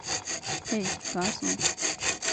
Hey, garson!